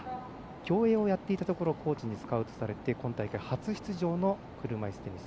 競泳をやっていたところコーチにスカウトされて今大会初出場の車いすテニス。